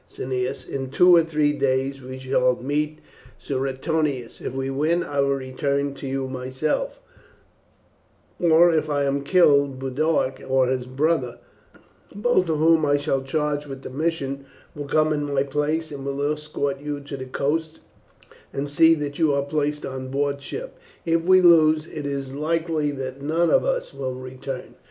Cneius, in two or three days we shall meet Suetonius; if we win, I will return to you myself, or if I am killed, Boduoc or his brother, both of whom I shall charge with the mission, will come in my place and will escort you to the coast and see that you are placed on board ship. If we lose, it is likely that none of us will return.